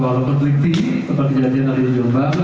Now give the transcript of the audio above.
walaupun berpikir seperti kajian dari jombang